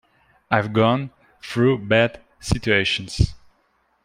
I've gone through bad situations.